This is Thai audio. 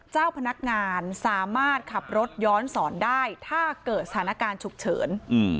เจ้าพนักงานสามารถขับรถย้อนสอนได้ถ้าเกิดสถานการณ์ฉุกเฉิน